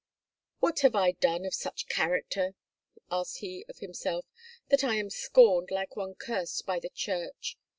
"What have I done of such character," asked he of himself, "that I am scorned, like one cursed by the church?